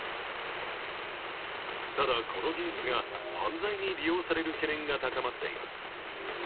ただ、この技術が犯罪に利用される懸念が高まっています。